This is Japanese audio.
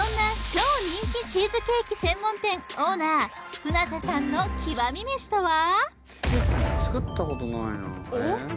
超人気チーズケーキ専門店オーナー船瀬さんの極み飯とは？